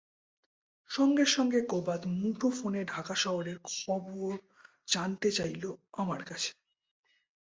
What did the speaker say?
সঙ্গে সঙ্গে কোবাদ মুঠোফোনে ঢাকা শহরের খবর জানতে চাইল আমার কাছে।